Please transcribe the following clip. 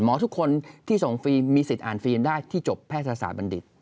ทุกคนที่ส่งฟรีมีสิทธิอ่านฟิล์มได้ที่จบแพทยศาสตร์บัณฑิต